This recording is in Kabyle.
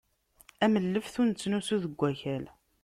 Am lleft ur nettnusu deg wakal.